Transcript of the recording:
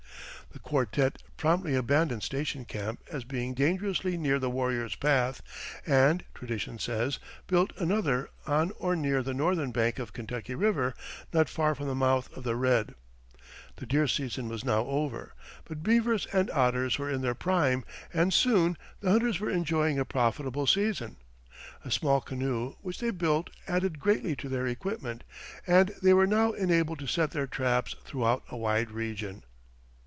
The quartette promptly abandoned Station Camp as being dangerously near the warriors' path, and, tradition says, built another on or near the northern bank of Kentucky River, not far from the mouth of the Red. The deer season was now over, but beavers and otters were in their prime, and soon the hunters were enjoying a profitable season. A small canoe which they built added greatly to their equipment, and they were now enabled to set their traps throughout a wide region.